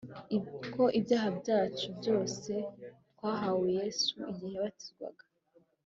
ko ibyaha byacu byose twahawe Yesu igihe yabatizwaga